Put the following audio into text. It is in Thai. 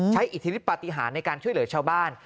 อิทธิฤทธปฏิหารในการช่วยเหลือชาวบ้าน